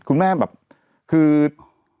คุณแม่แบบคือจำได้เลยตอนนั้นเนี่ย